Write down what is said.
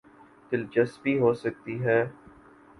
دلچسپی ہو سکتی ہے۔